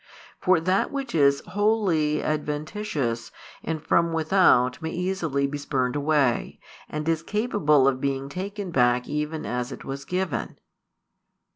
For that which is wholly adventitious and from without may easily be spurned away, and is capable of being taken back even as it was given.